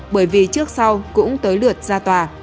bởi vì trước sau cũng tới lượt ra tòa